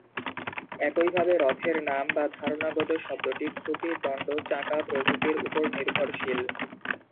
একইভাবে ‘রথের’ নাম বা ধারণাগত শব্দটি খুঁটি, দন্ড, চাকা প্রভৃতির উপর নির্ভরশীল।